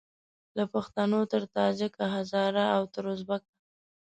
له پښتونه تر تاجیکه هزاره او تر اوزبیکه